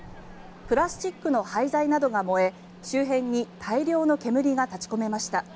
プラスチックの廃材などが燃え周辺に大量の煙が立ち込めました。